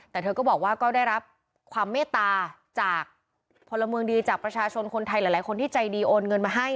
แต่เธอก็บอกว่าก็ได้รับความเมตตาจากพลเมืองดีจากประชาชนคนไทยหลายคนที่ใจดีโอนเงินมาให้